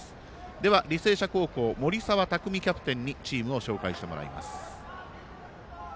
では、履正社高校森澤拓海キャプテンにチームを紹介してもらいます。